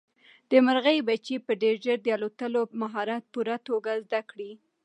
د مرغۍ بچي به ډېر ژر د الوتلو مهارت په پوره توګه زده کړي.